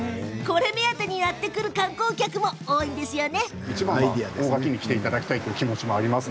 これ目当てにやって来る観光客も多いんだとか。